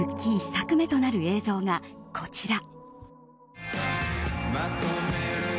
１作目となる映像がこちら。